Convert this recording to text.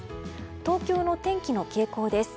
東京の天気の傾向です。